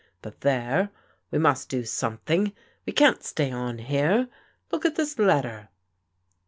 But there, we must do something. We can't stay on here. Look at this letter."